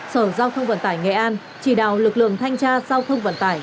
sở giao thông vận tải nghệ an chỉ đạo lực lượng thanh tra giao thông vận tải